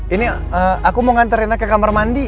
ini aku mau nganterinnya ke kamar mandi